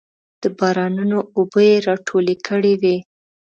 د بارانونو اوبه یې راټولې کړې وې.